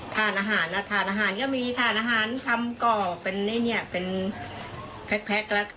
ถาดอาหารถาดอาหารก็มีถาดอาหารทำก่อเป็นแพ็กละ